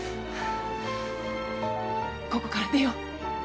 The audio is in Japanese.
ここから出よう。